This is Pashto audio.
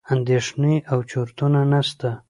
اندېښنې او چورتونه نسته.